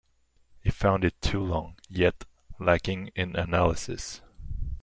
He found it too long, yet lacking in analysis.